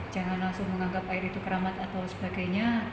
jangan langsung menganggap air itu keramat atau sebagainya